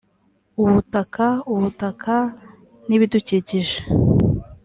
ubutaka ubutaka n ibidukikije